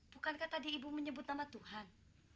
bukankah tadi ibu menyebut nama tuhan